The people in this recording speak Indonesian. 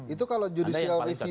itu kalau judicial review